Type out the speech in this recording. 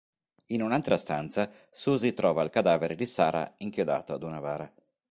In un'altra stanza Susy trova il cadavere di Sarah inchiodato ad una bara.